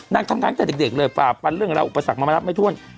นางทำงานตั้งแต่เด็กเลยฝ่าปันเรื่องอะไรอุปสรรคมาไม่ท่วน